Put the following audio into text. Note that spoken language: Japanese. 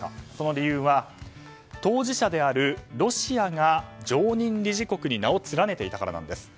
理由は、当事者であるロシアが常任理事国に名を連ねていたから。